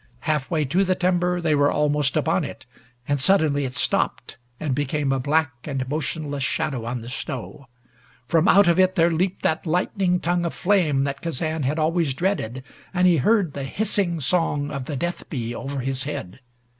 Half way to the timber they were almost upon it, and suddenly it stopped and became a black and motionless shadow on the snow. From out of it there leaped that lightning tongue of flame that Kazan had always dreaded, and he heard the hissing song of the death bee over his head.